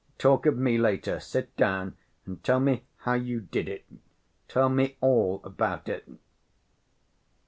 "Talk of me later. Sit down and tell me how you did it. Tell me all about it."